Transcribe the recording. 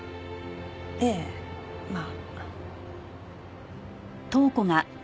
ええまあ。